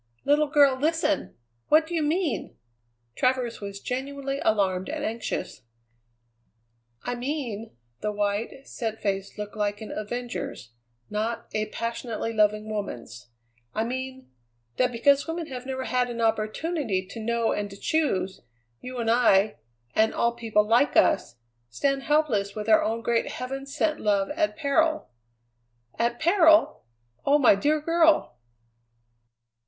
"Little girl, listen! What do you mean?" Travers was genuinely alarmed and anxious. "I mean" the white, set face looked like an avenger's, not a passionately loving woman's "I mean that because women have never had an opportunity to know and to choose, you and I, and all people like us, stand helpless with our own great heaven sent love at peril!" "At peril! Oh, my dear girl!"